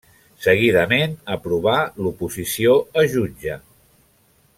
Seguidament aprovà l'oposició a jutge.